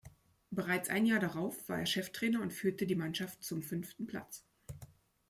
Bereits ein Jahr darauf war er Cheftrainer und führte die Mannschaft zum fünften Platz.